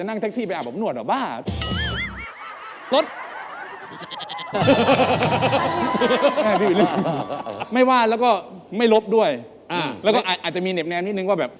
น้องไปทุกข้อกทุกมุมเลยครับ